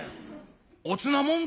おつなもんだよ？」。